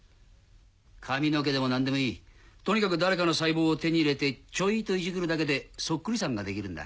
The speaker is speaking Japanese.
髪の毛でも何でもいいとにかく誰かの細胞を手に入れてチョイといじくるだけでそっくりさんができるんだ。